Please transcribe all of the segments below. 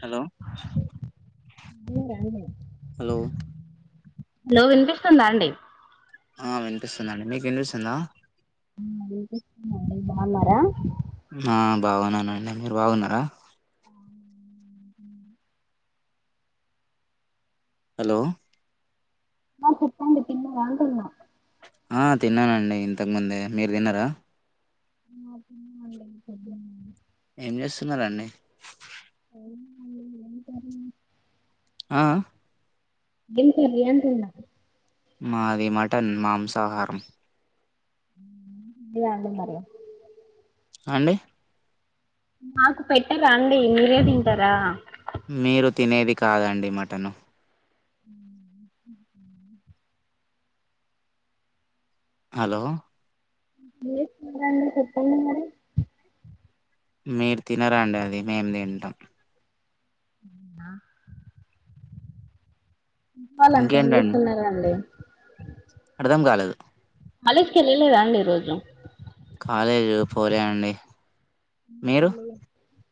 Hello hello hello వినిపిస్తుందా అండి ఆ వినిపిస్తుందండి మీకు వినిపిస్తుందా ఆ వినిపిస్తుంది అండి బాగున్నారా ఆ బాగున్నానండి మీరు బాగున్నారా హలో ఆ చెప్పండి తిన్నారా అంటున్న ఆ తిన్ననండి ఇంతకుముందే మీరు తిన్నరా ఆ తిన్నాం అండి పొద్దునే ఏం చేస్తున్నారండీ [unintelligible] ఏం కర్రీ ఆ ఆ ఏం కర్రీ అంటున్న మాది మటన్ మాంసాహారం లేదా అండి మరి ఆ అండి నాకు పెట్టరా అండి మీరే తింటరా మీరు తినేది కాదండి మట్టను [inaudible] హలో ఏం చెస్తున్నారండి చెప్పండి మరి మీరు తినరండి అది మేం తింటాం ఆహ్ వాళంత ఏం ఇంకేంటండి చేస్తున్నారండి అర్థం కాలేదు కాలేజీకి ఏళ్లలేదా అండి ఈ రోజు అయ్యయ్యో పోలే అండి. మీరు అ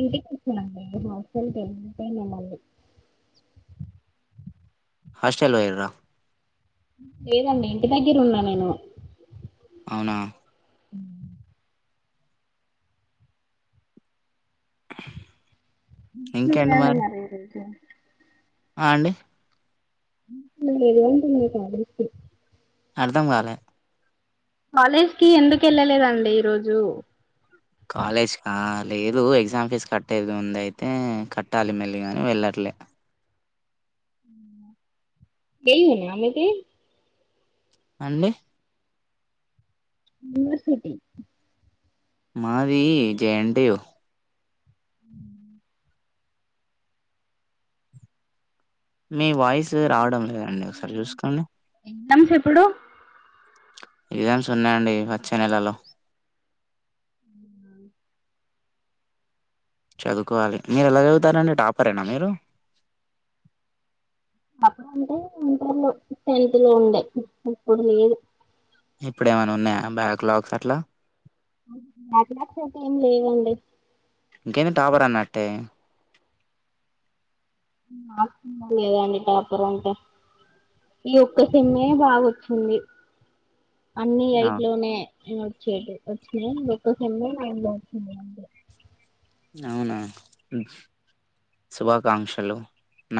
ఇంటికి వెళ్తున్న అండి. రేపు హాస్టల్ కి వెళ్తలే మళ్ళీ. హాస్టల్ పోయిన్రా. లేదండి ఇంటి దెగ్గర ఉన్నా నేనూ. అవునా ఉ [unintelligible] అండి మరి ఈ రోజు ఆ అండి ఎందుకు ఎల్లలేదు అంటున్న కాలేజ్ కీ అర్ధం కాలే కాలేజ్ కీ ఎందుకు ఎళ్ళలేదండి ఈరోజూ. కాలేజ్ కా లేదూ ఎగ్జామ్ ఫీజ్ కట్టేది ఉంది అయితే కట్టాలి మెల్లిగాని వెళ్ళట్లే. ఏ యూ ఏనా మీదీ. అండి యూనివర్సిటీ మాదీ జేఎన్ టీ యూ. మీ వాయిసు రావడం లేదండి ఒకసారి చూసుకోండి. ఎగ్జామ్స్ ఎప్పుడూ. ఎగ్జామ్స్ ఉన్నాయండి వచ్చే నెలలో. చదువుకోవాలి. మీరు ఎలా చదువుతారండి టాపరేనా మీరు. అప్పుడు అంటే ఇంటర్ లో టెన్త్ లో ఉండే. ఇప్పుడు లేదు. ఇప్పుడు ఏమైనా ఉన్నాయా బ్యాక్ లాగ్స్ అట్లా. బ్యాక్లాగ్స్ అయితే ఏం లేవండి. ఇంకేది టాపర్ అన్నట్టే. లేదండి టాపర్ అంటే. ఈ ఒక్క సేమ్మే బాగొచ్చింది. అన్నీ ఆ ఎయిట్ లోనే. వచ్చేటిది వచ్చినయి ఈ ఒక్క సెమ్ లో నైన్ లో వచ్చింది. అవునా. శుభాకాంక్షలు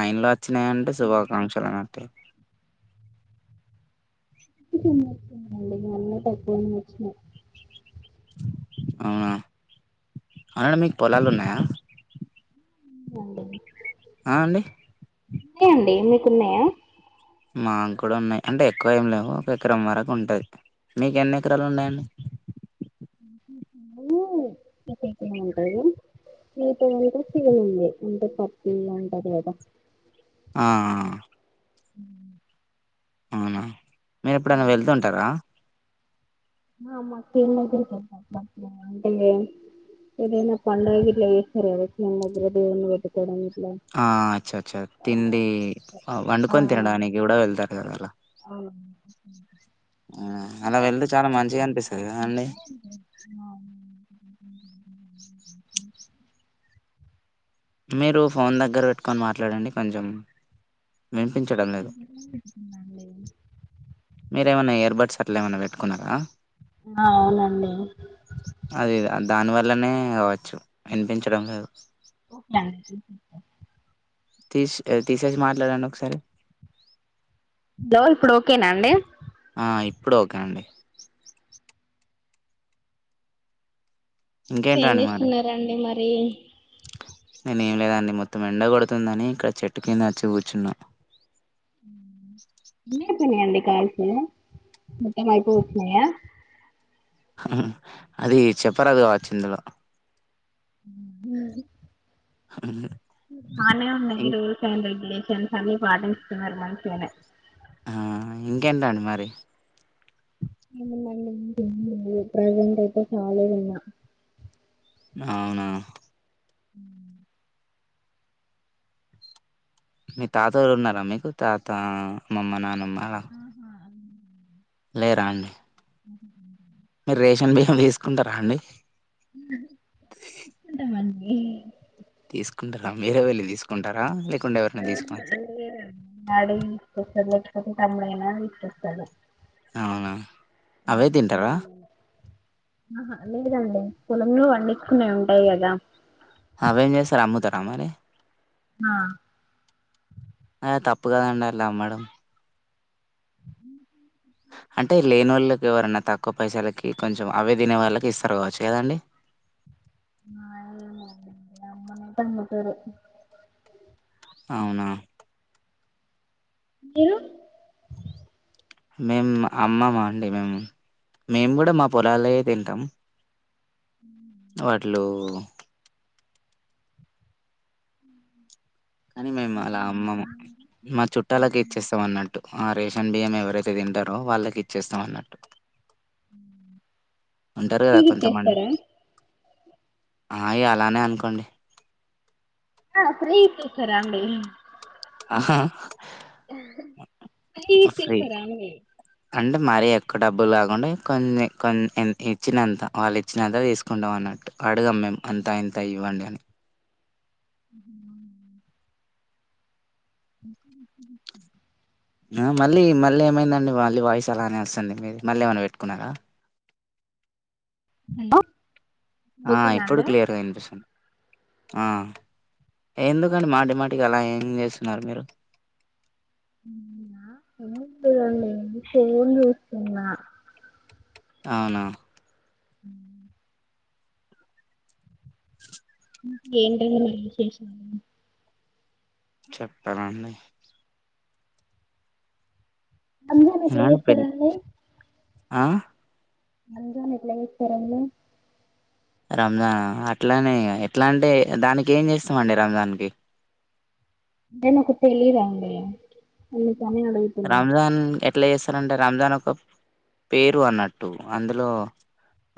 నైన్ లో వచ్చినయి అంటే శుభాకాంక్షలు అన్నట్టే. ఒక్క సెమ్ లో వచ్చినయి అండి. మళ్ళ తక్కువనే వచ్చినయి. అవునా. అవును మీకు పొలాలు ఉన్నాయా. ఆ అండి ఉన్నాయండి మీక్ కు ఉన్నాయా. మాక్ కూడా ఉన్నాయి. అంటే ఎక్కువ ఏమ్ లేవు ఒక ఎకరం వరకు ఉంటది. మీక్ ఎన్ని ఎకరాలు ఉన్నాయండి. [unintelligible] ఉంటది కదా ఆ ఆ ఊ అవునా మీరు ఎప్పుడైనా వెళ్తు ఉంటారా ఆహ్ మాకు అంటే ఏదైనా పండగ గిట్ల చేస్తారు గా మధ్యలో దేవుని పెట్టుకోవడం. ఇట్లా ఆ అచ్చా అచ్చా ఆ తిండి ఆ వండుకొని తినడానికి కూడా వెళ్తారు కదలా ఊ ఆ, అలా వెళ్తే చాలా మంచిగా అనిపిస్తది కదా అండి [unintelligible] [inaudible] మీరు ఫోన్ దగ్గర పెట్టుకొని మాట్లాడండి కొంచెం వినిపించడం లేదు దగ్గర పెట్టుకున్నాండి. మీర ఏమైనా ఇయర్ బడ్స్ అట్లా ఏమైనా పెట్టుకున్నారా ఆ అవునండి అది దాని వల్లనే అవచ్చు వినిపించడం లేదు ఓక అండి తీసి తీసేసి మాట్లాడండి ఒకసారి గో ఇప్పుడు ఓకేనా అండి ఆ ఇప్పుడు ఓకే అండి ఏం ఇంకేంటండి చేస్తున్నారండి మ రీ నేను ఏం లేదండి మొత్తం ఎండ కొడుతుందని ఇక్కడ చెట్టు కింద వచ్చి కూర్చున్నా ఎన్ని అయిపోయినయండి కాల్స్ మొత్తం అయిపో వచ్చన్నాయా అది చెప్పరాదు కావచ్చు ఇందులో ఉమ్ [inaudible] బానే ఉన్నాయ్ ఇం మీరుటర్ రెబ్లె [unintelligible] ఆ ఇంకెంటండి మరి ఏం లేదు ప్రజెంట్ అయితే కాళిగున్నా అవునా అ [inaudible] మీ తాతళు ఉన్నారా మీకు తాత అమ్మమ్మ నానమ్మ ఆహా లేరాండి [inaudible] మీరు రేషన్ బియ్య తీసుకుంటారా అండి తీసుకుంటాం అండి తీసుకుంటారా మీరే వెళ్ళి తీసుకుంటారా లే మా డాడీ తీసుకొస్తారండీ లేకుంటే తమ్ముడైనా తీసుకొస్తాడు అవునా అవే తింటారా ఆహా లేదండి పొలంలో పండించుకునే ఉంటాయి కదా కామారే ఆ అ తప్పు కాద ఉండాల మేడం అంటే లేని వాళ్ళకి ఎవరన్నా తక్కువ పైసలకి కొంచెం అవే తినే వాళ్ళకి ఇస్తారు కావచ్చు కదాండి ఆ అమ్మనే తంగతరు అవునా మీరు మేము అమ్మమా అండి మేము మేము కూడా మా పొలాల తింటాం ఉ వడ్లు కానీ మేము అలా అమ్మము చుట్టాలకు ఇచ్చేస్తాం అన్నట్టు ఆ రేష్ న్ బియ్యం ఎవరైతే తింటారో వాళ్ళకి ఇచ్చేస్తామ అన్నట్టు ఉంటారు ఫ్రీ కదా కొంతమంది ఇచ్చేస్తారా అయి అలానే అనుకోండి ఆ ఫ్రీ ఏచేస్తారా అండి ఆహా ఫ్రీ స్త రామ అంటే మరీ ఎక్కువ డబ్బులు కాకుండా కొన్ని కొన్ని ఇచ్చినంత వాళ్ళు ఇచ్చినంత తీసుకుంటాం అన్నట్టు అడుగా మేము అంత ఇంత ఇవ్వండి అని మళ్ళీ మళ్ళీ ఏమైందండి మళ్ళీ వాయిస్ అలానే వస్తుంది మీరు మళ్ళీ ఏమై పెట్టుకున్నారా హలో ఆ ఇప్పుడు క్లియర్గా వినిపిస్తుంది ఆ ఎందుకండి మాటి మాటికి అలా ఏం చేస్తున్నారు మీరు ఏం చేయాలా ఉ అవునా హ ఏంటి అండి మరి విశేషాలు చెప్పనండి అమ్ దనల్ ఇలాంటి చేస్తార పెళ్లి అండి ఆ రమజాన్ ఎట్లా చేస్తారండి రంజాన్ అట్లానే ఎట్లా అంటే దానికి ఏం చేస్తాంమండి రంజాన్కి అంటి నాకు తేలీదు అండి తని అడుగుతున రంజాన్ ఎట్లా చేస్తారంటే రంజాన్ ఒక పేరు అన్నట్టు అందులో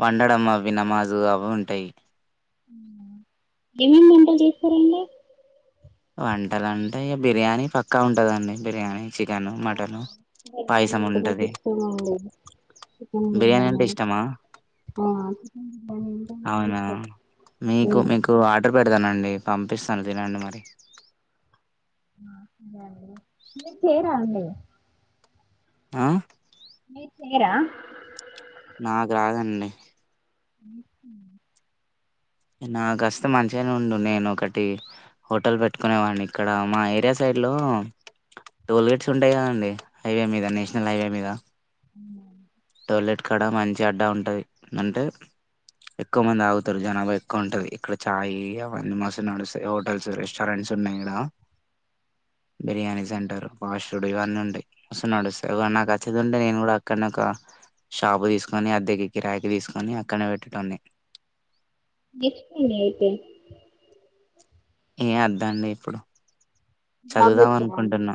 వండడం అవి నమాజు అవి ఉంటాయి జమీన్ మంటల్ తీసుకురడి వంటలు అంటే ఇ బిర్యానీ పక్కా ఉంటదండి బిర్యానీ చికెన్ మటన్ చ బిర్యా పాయసం అంట ఉంటది ఇష్ట చికెన్ బిర్యానీ చ అవునావు మీకు ఉమ్, అదే మీకు ఆర్డర్ పె పదానండి పంపిస్తాను తినండి మరి డి మ ఫరు అలే ఆ మీ చేరా నాకు రాదండి అ నాకుస్త మంచిగానే ఉండు నేను ఒకటి హోటల్ పెట్టుకునేవాడిని ఇక్కడ మా ఏరియా సైడ్ లో టోల్ గేట్స్ ఉంటాయి కదండి హైవే మీద నేషనల్ హైవే మీద పల్లెట్ కడ మంచి అడ్డ ఉంటుందింటే ఎక్కువ మంది ఆగుతారు జనాభా ఎక్కువ ఉంటుంది ఇక్కడ చాయ్ అవన్నీ మస్తు నడుస్తాయి హోటల్స్ రెస్టారెంట్స్ ఉన్నాయి ఇక్కడ బిర్యానీ సెంటర్ ఫాస్ట్ ఫుడ్ ఇవన్నీ ఉంటాయి మస్తు నడుస్తాయి అ నాకు వచ్చేది ఉంటే నేను కూడా అక్కడ ఒక షాపు తీసుకొని అద్దెగి కిరాయికి తీసుకొని అక్కనే పెట్టడంన్ని ఎసుకుడి అతే ఏ వద్ద అండి ఇప్పుడు జాబ్ చదువుదాం చేస్తారా అండి అనుకుంటున్నా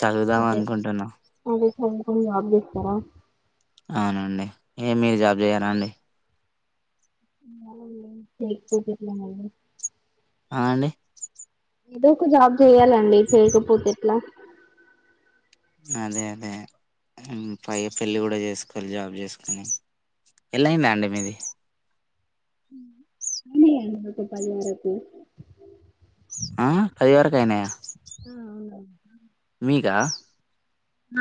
చదుదాం అనుకుంటున్నా అ ఆ బారా అవునండి ఏ మీరు జాబ్ చేయ్యారా అండి పోట్లా అనండి ఏదో ఒక జాబ్ చెయాలండి చేేయకపోతే ఎట్లా అదే అదే పై పెళ్ళి కూడా చేసుకోవాలి జాబ్ చేసుకని ఎలాయిందా అండి మీది అన్న నాకు పదిహారకు ఆ కదివర క అయినాయా ఆ అవునా మీకా ఆ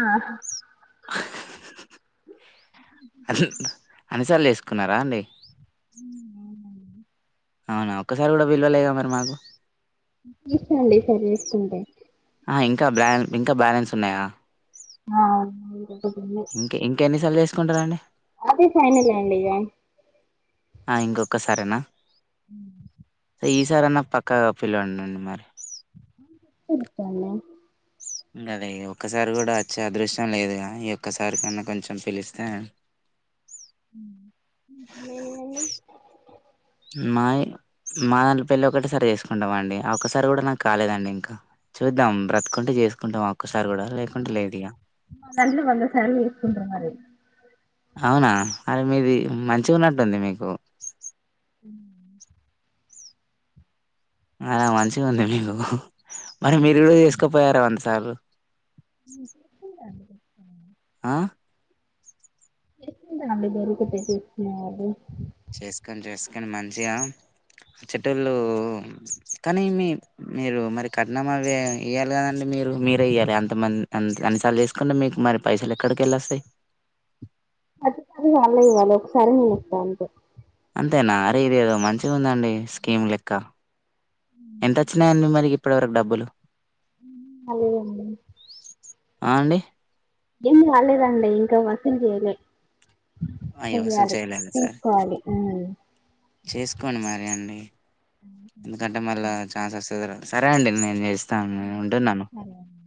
అ అని సాల్ తీసుకున్నారా అండి అవునా ఒక్కసారి కూడా విల్లువలగా మరి మాకు తీసుకోండి సరి చేసుకుంటే ఇంకా బ్యా ఇంకా బ్యాలెన్స్ ఉన్నాయా ఆ ఇంకొకటుంది ఇంకా ఇంకా ఎన్నిసార్లు చేస్త తీసుకుంటారాండి అదే ఫైనల్ అడి ఆ ఇంకొకసారేనా ఈసారి అన్నా పక్కాగా పిలువండి మరి పిల్తానా కానీ ఒక్కసారి కూడా వచ్చే అదృశ్యం లేదుగా ఈ ఒక్కసారి కన్నా కొంచెం పిలిస్తే మేమ అండి మాయి మా దాంట్లో పెళ్లి ఒక్కటే సారి చేసుకుంటాం అండి ఆ ఒక్క సారి కూడా నాకు కాలేదండి ఇంకా చూద్దాం బ్రతుకుంటే చేసుకుంటాం ఒక్కసారి కూడా లేకుంటే లేదు ఇక నన్ను వంద సార్లు చూసుకుంటా మరి అవునా అరే మీది మంచిగా ఉన్నట్టుంది మీకు అ అలా మంచిగా ఉంది మీకు మరి మీరు కూడా తిసుకోపోయారా వంద సార్లు స్ స్ చేసుకుంటాండి. ఆ ఏ అడి గరుకట్టసున్నా అ చేసుకొని చేసుకొని మంచిగా ఇచ్చేటోళ్ళు కానీ మీ మీరు మరి కట్నం అవి ఇయ్యాలి కదండి మీరు మీరే ఇయ్యాలి అంతమంది అన్నిసార్లు చేసుకుంటే మీకు మరి పైసలు ఎక్కడికెళ్లి వస్తాయి ప్రతిసారి వాళ్లే ఇయ్యలే ఒకసారి నేను ఇస్తా అంతే అంతేనా అరే ఇది ఏదో మంచిగా ఉందండి స్కీమ్ లెక్క ఎంత వచ్చినాయండి మరి ఇప్పటివరకు డబ్బులు అదే అండీ ఆ అండి ఏం కాలేదు అండీ ఇంకా వంట చేయలే అయ్యో అసలు చెయ్యాలి చేయలేదు సర్ తీసుకోవాలి చేసుకోండి మరి అన్ని ఎందుకంటే మళ్ళ చాన్స్ వస్తాదో రాదో సరే అండి నేను చేస్తా ఉంటున్నాను సరే అండి